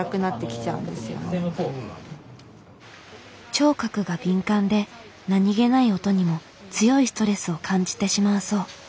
聴覚が敏感で何気ない音にも強いストレスを感じてしまうそう。